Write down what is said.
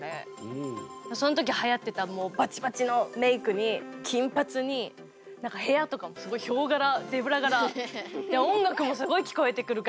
そん時はやってたもうバチバチのメークに金髪に何か部屋とかもすごいヒョウ柄ゼブラ柄で音楽もすごい聞こえてくるガンガンみたいな。